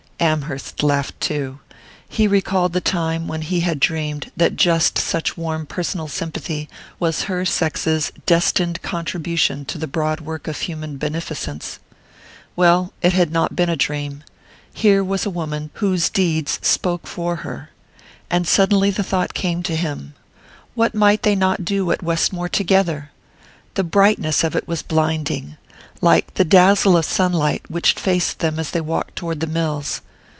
Amherst laughed too: he recalled the time when he had dreamed that just such warm personal sympathy was her sex's destined contribution to the broad work of human beneficence. Well, it had not been a dream: here was a woman whose deeds spoke for her. And suddenly the thought came to him: what might they not do at Westmore together! The brightness of it was blinding like the dazzle of sunlight which faced them as they walked toward the mills.